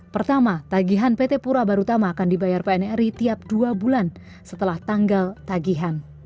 pertama tagihan pt pura barutama akan dibayar pnri tiap dua bulan setelah tanggal tagihan